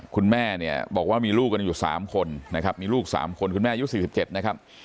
คุณแม่เนี่ยบอกว่ามีลูกกันอยู่๓คนนะครับมีลูก๓คนคุณแม่อายุ๔๗นะครับ